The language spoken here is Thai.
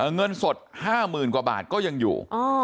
เงินสด๕หมื่นกว่าบาทก็ยังอยู่อ๋อ